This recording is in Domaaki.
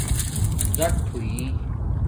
زُٹ ہوئ